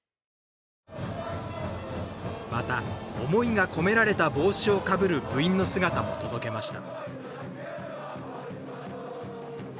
また、思いが込められた帽子をかぶる部員の姿も届けました。